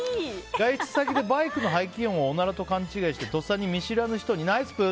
バイト先でバイクの排気音をおならと勘違いしてとっさに見知らぬ人にナイスプー！